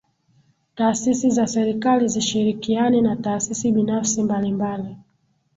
Taasisi za Serikali zishirikiane na taasisi binafsi mbalimbali